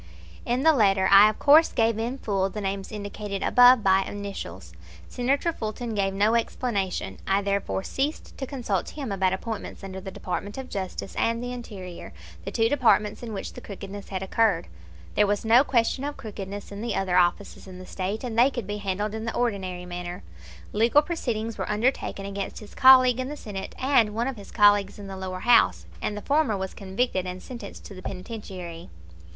In the letter I of course gave in full the names indicated above by initials. Senator Fulton gave no explanation. I therefore ceased to consult him about appointments under the Department of Justice and the Interior, the two departments in which the crookedness had occurred there was no question of crookedness in the other offices in the State, and they could be handled in the ordinary manner. Legal proceedings were undertaken against his colleague in the Senate, and one of his colleagues in the lower house, and the former was convicted and sentenced to the penitentiary.